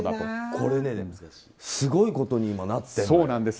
これね、すごいことに今なってるんだよ。